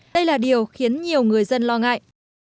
đây là điều khiến nhiều người dân lo ngại